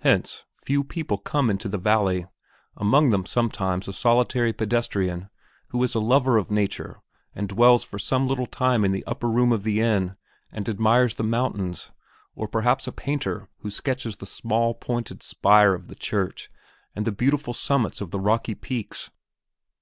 Hence, few people come into the valley, among them sometimes a solitary pedestrian who is a lover of nature and dwells for some little time in the upper room of the inn and admires the mountains; or perhaps a painter who sketches the small, pointed spire of the church and the beautiful summits of the rocky peaks.